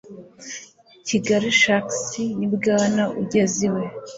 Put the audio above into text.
Kigali Sharks ni Bwana UGEZIWE